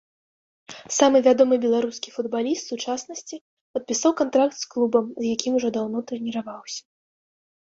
Самы вядомы беларускі футбаліст сучаснасці падпісаў кантракт з клубам, з якім ужо даўно трэніраваўся.